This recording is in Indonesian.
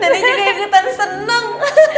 dan ini juga kita seneng